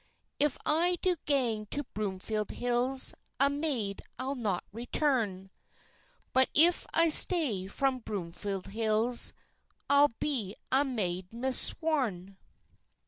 "If I do gang to Broomfield Hills A maid I'll not return; But if I stay from Broomfield Hills, I'll be a maid mis sworn."